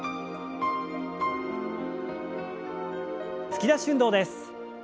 突き出し運動です。